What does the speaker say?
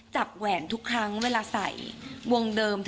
แหวนทุกครั้งเวลาใส่วงเดิม